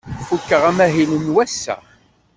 Fukeɣ amahil n wass-a.